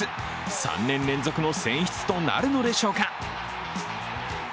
３年連続の選出となるのでしょうか。